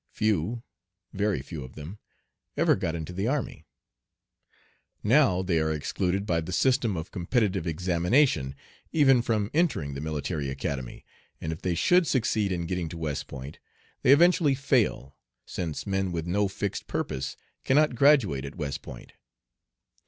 Few, very few of them, ever got into the army. Now they are excluded by the system of competitive examination even from entering the Military Academy, and if they should succeed in getting to West Point, they eventually fail, since men with no fixed purpose cannot graduate at West Point.